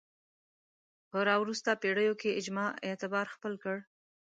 په راوروسته پېړیو کې اجماع اعتبار خپل کړ